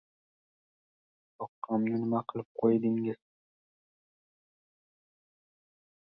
— Soqqamni nima qilib qo‘ydingiz?